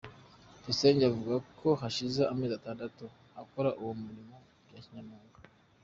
Tuyisenge avuga ko hashize amezi atandatu akora uwo murimo bya kinyamwuga.